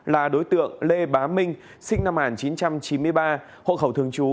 là đối tượng lê bá minh sinh năm một nghìn chín trăm chín mươi ba hộ khẩu thường trú